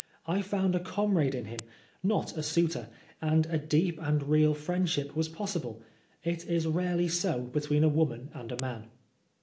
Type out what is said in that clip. I found a comrade in him, not a suitor, and a deep and real friendship was possible. It is rarely so between a woman and a man."